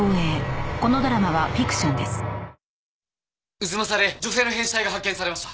太秦で女性の変死体が発見されました。